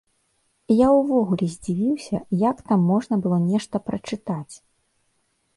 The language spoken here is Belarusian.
Я ўвогуле здзівіўся, як там можна было нешта прачытаць!